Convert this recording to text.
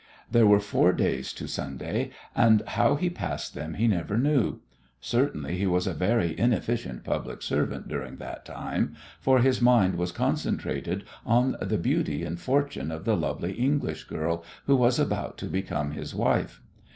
There were four days to Sunday, and how he passed them he never knew. Certainly he was a very inefficient public servant during that time, for his mind was concentrated on the beauty and fortune of the lovely English girl who was about to become his wife.